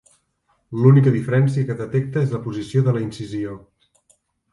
L'única diferència que detecta és la posició de la incisió.